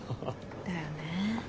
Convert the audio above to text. だよね。